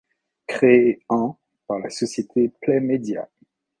Créé en par la société Play Media.